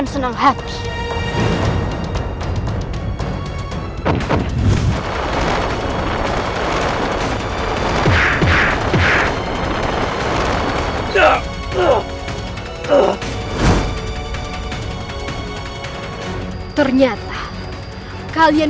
tendang kiri atas tendang kanan